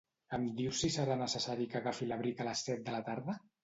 Em dius si serà necessari que agafi l'abric a les set de la tarda?